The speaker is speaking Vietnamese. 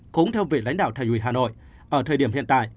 cũng theo vị lãnh đạo thành ủy hà nội ở thời điểm hiện tại